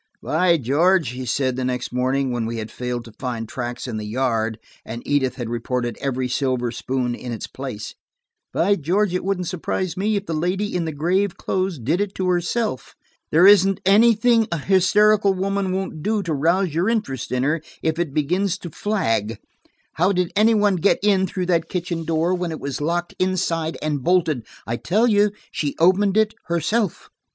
"By George," he said the next morning when we had failed to find tracks in the yard, and Edith had reported every silver spoon in its place, "by George, it wouldn't surprise me if the lady in the grave clothes did it to herself. There isn't anything a hysterical woman won't do to rouse your interest in her, if it begins to flag. How did any one get in through that kitchen door, when it was locked inside and bolted? I tell you, she opened it herself."